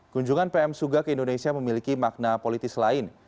kunjungan pm suga ke indonesia memiliki makna politis lain